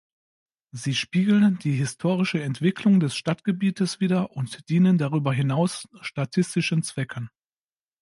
Sie spiegeln die historische Entwicklung des Stadtgebietes wider und dienen darüber hinaus statistischen Zwecken.